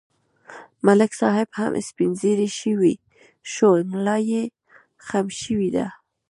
ملک صاحب هم سپین ږیری شو، ملایې خم شوې ده.